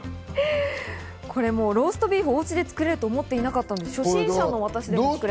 ローストビーフをおうちで作れると思ってなかったので。